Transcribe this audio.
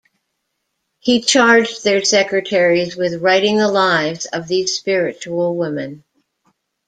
He charged their secretaries with writing the lives of these spiritual women.